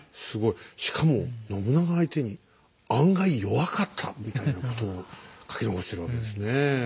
しかも信長相手に案外弱かったみたいなことを書き残してるわけですね。